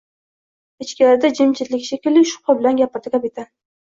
Ichkarida jimjitlik, shekilli, shubha bilan gapirdi kapitan